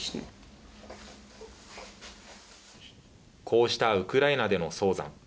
こうしたウクライナでの早産。